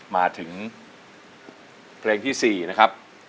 มาถึงเพลงที่๔นะครับ